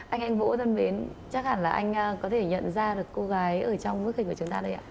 anh anh vũ dân đến chắc hẳn là anh có thể nhận ra được cô gái ở trong bức hình của chúng ta đây ạ